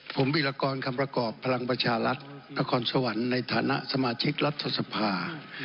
ผมวิรากรคำประกอบพลังประชารัฐนครสวรรค์ในฐานะสมาชิกรัฐสภา